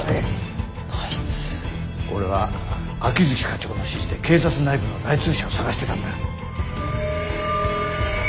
俺は秋月課長の指示で警察内部の内通者を捜してたんだ。